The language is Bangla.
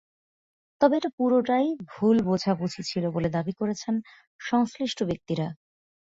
তবে এটা পুরোটাই ভুল বোঝাবুঝি ছিল বলে দাবি করছেন সংশ্লিষ্ট ব্যক্তিরা।